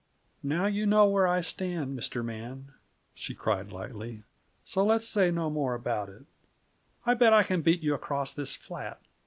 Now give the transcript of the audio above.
"Now you know where I stand, Mr. Man," she cried lightly, "so let's say no more about it. I bet I can beat you across this flat!"